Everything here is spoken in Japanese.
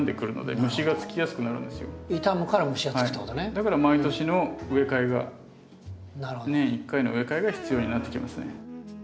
だから毎年の植え替えが年１回の植え替えが必要になってきますね。